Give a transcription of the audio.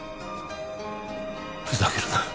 ふざけるな。